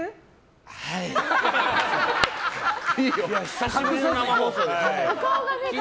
久しぶりの生放送で。